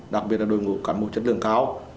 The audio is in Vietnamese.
đặc biệt là đội ngũ cán bộ chất lượng cao